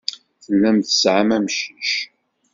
Tellam tesɛam amcic.